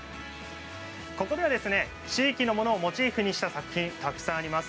ここでは地域のものをモチーフにした作品がたくさんあります。